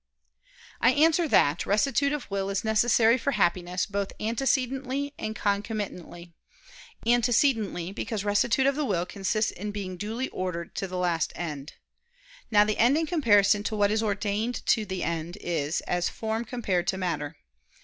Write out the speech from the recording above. I answer that, Rectitude of will is necessary for Happiness both antecedently and concomitantly. Antecedently, because rectitude of the will consists in being duly ordered to the last end. Now the end in comparison to what is ordained to the end is as form compared to matter.